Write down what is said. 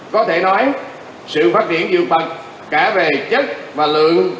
có thể nói sự phát triển dự phật cả về chất và lượng